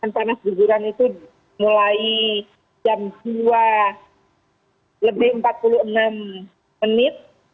panas guguran itu mulai jam dua lebih empat puluh enam menit